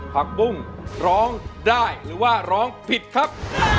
ผักบุ้งร้องได้หรือว่าร้องผิดครับ